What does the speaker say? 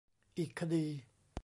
อีกคดี